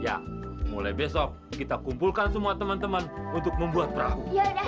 ya mulai besok kita kumpulkan semua teman teman untuk membuat perahu